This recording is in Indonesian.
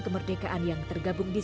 dan helen anggota wpip